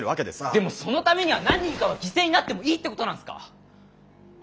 でもそのためには何人かは犠牲になってもいいってことなんすか？